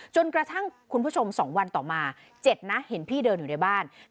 จนกระทั่งคุณผู้ชม๒วันต่อมา๗นะเห็นพี่เดินอยู่ในบ้าน